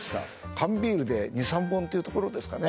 缶ビールで２３本というところですかね